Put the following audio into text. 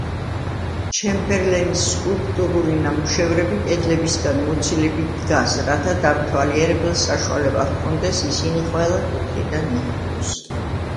ჩემბერლენის სკულპტურული ნამუშევრები კედლებისგან მოცილებით დგას, რათა დამთვალიერებელს საშუალება ჰქონდეს ისინი ყველა კუთხიდან იხილოს.